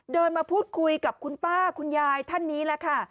มาพูดคุยกับคุณป้าคุณยายท่านนี้แหละค่ะ